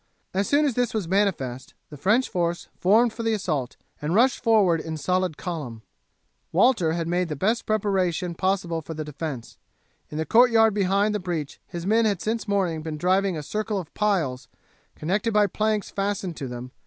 As soon as this was manifest the French force formed for the assault and rushed forward in solid column. Walter had made the best preparation possible for the defence. In the courtyard behind the breach his men had since morning been driving a circle of piles, connected by planks fastened to them.